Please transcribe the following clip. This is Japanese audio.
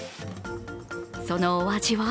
そのお味は？